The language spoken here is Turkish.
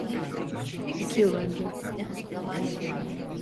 İki yıl önce.